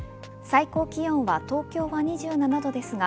最高気温は東京は２７度ですが